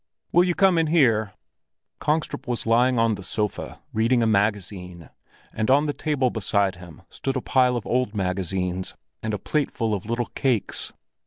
"Will you come in here?" Kongstrup was lying on the sofa reading a magazine, and on the table beside him stood a pile of old magazines and a plateful of little cakes.